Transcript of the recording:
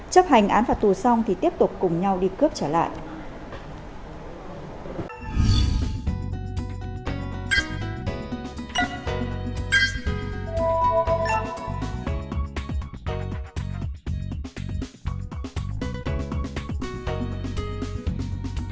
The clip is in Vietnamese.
chấp hành án phạt tù xong thì tiếp tục cùng nhau đi cướp trở lại